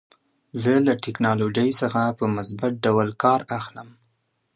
زه له ټکنالوژۍ څخه په مثبت ډول کار اخلم.